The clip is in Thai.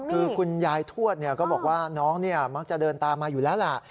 คือคุณยายทวดก็บอกว่าน้องมักจะเดินตามมาอยู่แล้วล่ะ